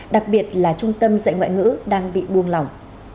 đặc biệt là trung tâm dạy ngoại ngữ đang bị buông lỏng